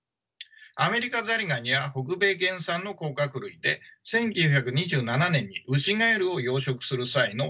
アメリカザリガニは北米原産の甲殻類で１９２７年にウシガエルを養殖する際の餌用に輸入されたとされます。